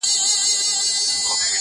خر چي پر گزاره مړ سي، شهيد دئ.